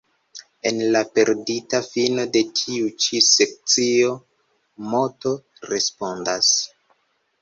En la perdita fino de tiu ĉi sekcio, Moto respondas.